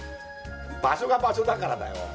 場所が場所だからだよ。